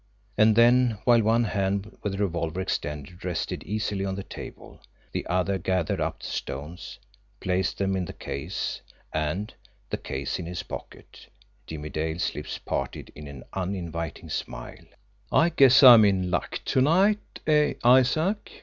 And then, while one hand with revolver extended rested easily on the table, the other gathered up the stones, placed them in the case, and, the case in his pocket, Jimmie Dale's lips parted in an uninviting smile. "I guess I'm in luck to night, eh, Isaac?"